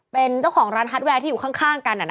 เป็นเจ้าของร้านฮัตแวร์ที่อยู่ข้างกัน